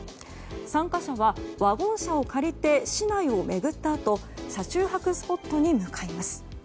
参加者はワゴン車を借りて市内を巡ったあと車中泊スポットへ向かいます。